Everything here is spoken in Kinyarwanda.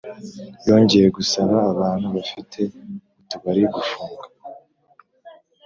yongeye gusaba abantu bafite utubari gufunga